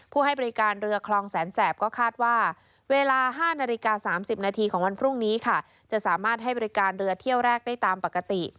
ให้บริการเรือคลองแสนแสบก็คาดว่าเวลา๕นาฬิกา๓๐นาทีของวันพรุ่งนี้ค่ะจะสามารถให้บริการเรือเที่ยวแรกได้ตามปกติ